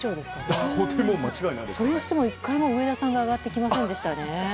それにしても上田さんが１回も上がってきませんでしたね。